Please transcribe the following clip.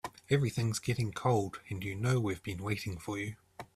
Everything's getting cold and you know we've been waiting for you.